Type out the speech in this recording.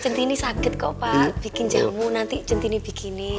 centini sakit kok pak bikin jamu nanti centini bikinin